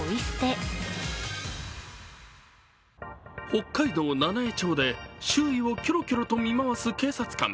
北海道七飯町で周囲をキョロキョロと見回す警察官。